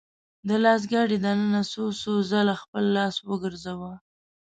د لاس ګاډي دننه يې څو څو ځله خپل لاس وګرځاوه .